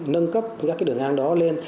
nâng cấp những cái đường ngang đó lên